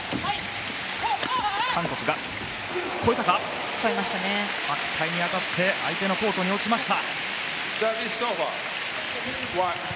白帯に当たって相手のコートに落ちました。